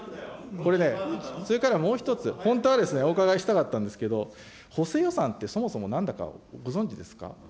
これね、それからもう１つ、本当はですね、お伺いしたかったんですけど、補正予算って、そもそもなんだかご存じですか。